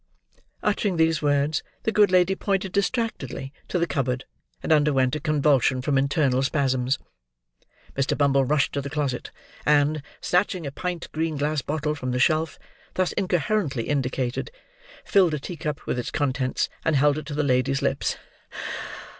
Uttering these words, the good lady pointed, distractedly, to the cupboard, and underwent a convulsion from internal spasms. Mr. Bumble rushed to the closet; and, snatching a pint green glass bottle from the shelf thus incoherently indicated, filled a tea cup with its contents, and held it to the lady's lips.